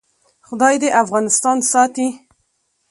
خدای دې افغانستان ساتي